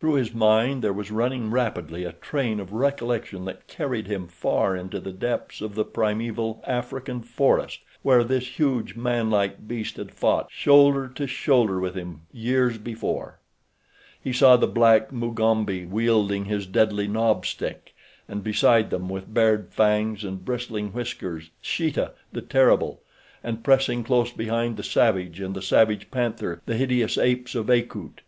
Through his mind there was running rapidly a train of recollection that carried him far into the depths of the primeval African forest where this huge, man like beast had fought shoulder to shoulder with him years before. He saw the black Mugambi wielding his deadly knob stick, and beside them, with bared fangs and bristling whiskers, Sheeta the terrible; and pressing close behind the savage and the savage panther, the hideous apes of Akut.